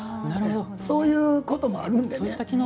そういうこともあるんでね。